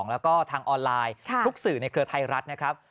แล้วก็ทางออนไลน์ทุกสื่อในเครือไทยรัฐนะครับ